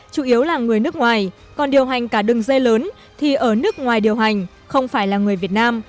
chủ yếu là người nước ngoài còn điều hành cả đường dây lớn thì ở nước ngoài điều hành không phải là người việt nam